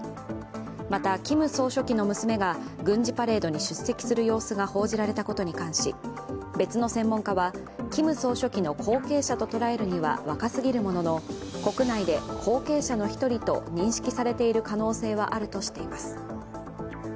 また、キム総書記の娘が軍事パレードに出席する様子が報じられたことに関し別の専門家はキム総書記の後継者ととらえるには若すぎるものの国内で後継者の１人と認識されている可能性はあるとしています。